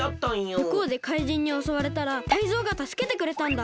むこうでかいじんにおそわれたらタイゾウがたすけてくれたんだ。